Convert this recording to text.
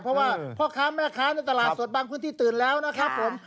เพราะว่าพ่อค้าแม่ค้าในตลาดสดบางพื้นที่ตื่นแล้วนะครับผม